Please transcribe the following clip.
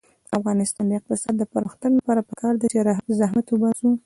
د افغانستان د اقتصادي پرمختګ لپاره پکار ده چې زحمت وباسو.